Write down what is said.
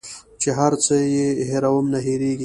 چي هر څو یې هېرومه نه هیریږي